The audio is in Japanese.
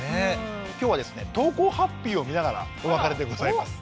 今日はですね投稿ハッピーを見ながらお別れでございます。